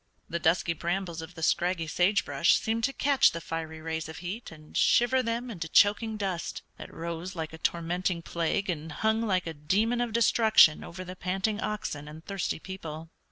The dusky brambles of the scraggy sage brush seemed to catch the fiery rays of heat and shiver them into choking dust, that rose like a tormenting plague and hung like a demon of destruction over the panting oxen and thirsty people.